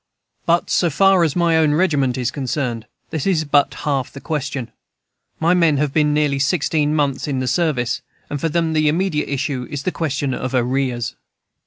But, so far as my own regiment is concerned, this is but half the question. My men have been nearly sixteen months in the service, and for them the immediate issue is the question of arrears.